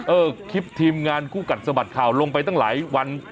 เออคลิปทีมงานคู่กัดสะบัดข่าวลงไปตั้งหลายวัน